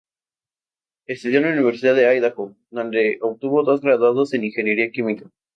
Estudió en la Universidad de Idaho, donde obtuvo dos graduados en ingeniería química.